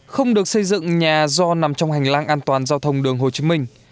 không được xây dựng nhà do nằm trong hành lang an toàn giao thông đường hồ chí minh